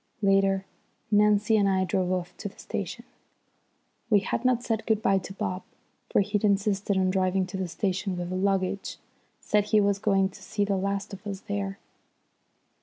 Later Nancy and I drove off to the station. We had not said good bye to Bob, for he'd insisted on driving to the station with the luggage; said he was going to see the last of us there.